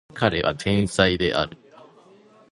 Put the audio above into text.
彼は天才である